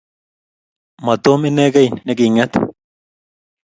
mo Tom inekei neking'et